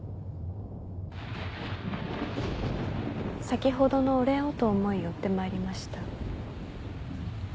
先ほどのお礼をと思い追ってまいりました。